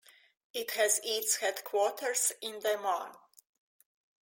It has its headquarters in Des Moines.